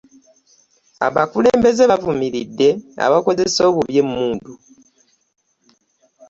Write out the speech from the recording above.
Abakulembeze bavumiride abakozesa obubi emmundu.